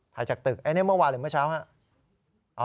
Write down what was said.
ถ่ายจากตึกอันนี้เมื่อวานหรือเมื่อเช้าครับ